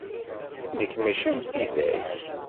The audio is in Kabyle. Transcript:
Nekk mačči am tidak.